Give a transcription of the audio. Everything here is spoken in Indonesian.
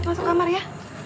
coba masuk kamar ya